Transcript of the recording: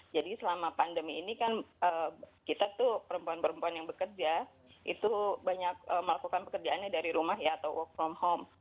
jadi selama pandemi ini kan kita tuh perempuan perempuan yang bekerja itu banyak melakukan pekerjaannya dari rumah ya atau work from home